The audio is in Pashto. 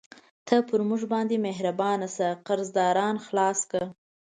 ته پر موږ باندې مهربانه شه، قرضداران خلاص کړه.